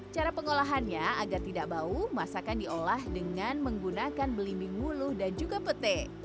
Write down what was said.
cara pengolahannya agar tidak bau masakan diolah dengan menggunakan belimbing wuluh dan juga petai